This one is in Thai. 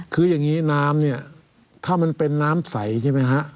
คืออย่างนี้น้ำเนี่ยถ้ามันเป็นน้ำใสใช่ไหมฮะ